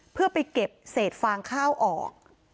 เพื่อไปเก็บเศษฟางข้าวออก